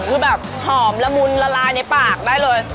คือแบบหอมละมุนละลายในปากได้เลย